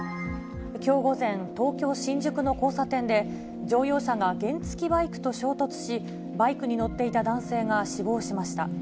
きょう午前、東京・新宿の交差点で、乗用車が原付きバイクと衝突し、バイクに乗っていた男性が死亡しました。